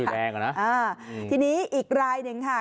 แรงอ่ะนะอ่าทีนี้อีกรายหนึ่งค่ะ